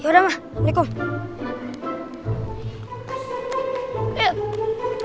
yaudah ma waalaikumsalam